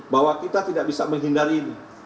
bahwa kita tidak bisa menghindari ini